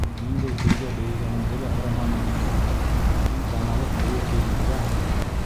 Минең ниндәй көйгә бейегәнемде лә һораманы бит ул. Һин «Таналыҡ» бейеү көйөн беләһеңме?